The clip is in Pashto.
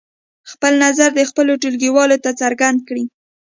خپل نظر دې خپلو ټولګیوالو ته څرګند کړي.